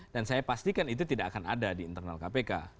dan saya pastikan itu tidak akan ada di internal kpk